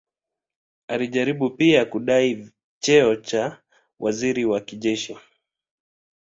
Alijaribu pia kudai cheo cha waziri wa jeshi.